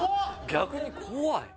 逆に怖い。